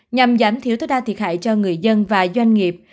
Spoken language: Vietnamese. nhằm giảm thiểu tối đa thiệt hại cho người dân và doanh nghiệp